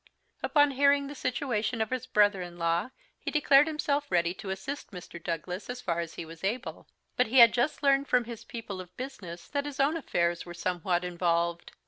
Upon hearing the situation of his brother in law he declared himself ready to assist Mr. Douglas as far as he was able; but he had just learned from his people of business that his own affairs were somewhat involved.